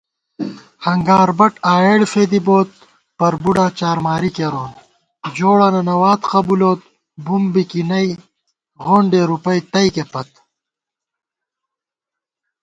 ہنگاربٹ آئېڑ فېدِی بوت پَربُوڈا چارماری کېرون * جوڑہ ننَوات قبُولوت بُم بِکِنئ غونڈے رُپَئ تئیکے پت